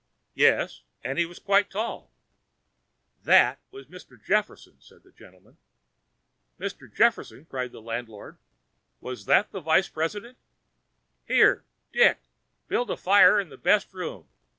"Yes, and he was quite tall." "That was Mr. Jefferson," said the gentleman. "Mr. Jefferson!" cried the landlord. "Was that the vice president? Here, Dick! build a fire in the best room.